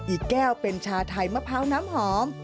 อีกแก้วเป็นชาไทยมะพร้าวน้ำหอม